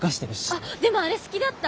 あっでもあれ好きだった。